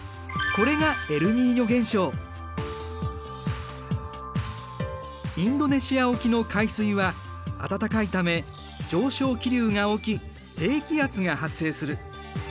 これがインドネシア沖の海水は温かいため上昇気流が起き低気圧が発生する。